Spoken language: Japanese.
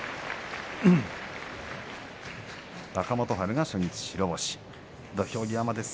若元春が初日白星です。